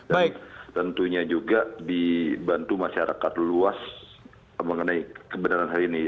dan tentunya juga dibantu masyarakat luas mengenai kebenaran hari ini